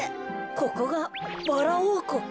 ここがバラおうこく。